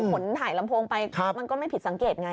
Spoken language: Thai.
ขนถ่ายลำโพงไปมันก็ไม่ผิดสังเกตไง